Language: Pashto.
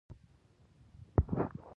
وسله د ټپونو نوې بڼه ده